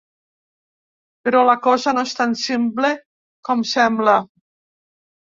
Però la cosa no és tan simple com sembla.